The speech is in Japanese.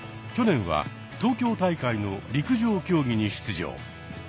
去年は東京大会の陸上競技に出場。